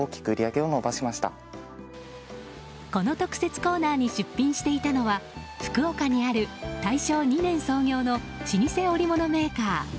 この特設コーナーに出品していたのは福岡にある大正２年創業の老舗織物メーカー